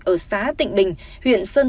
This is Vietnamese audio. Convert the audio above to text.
ở xá tịnh bình huyện sơn